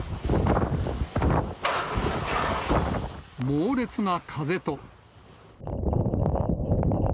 猛烈な風と。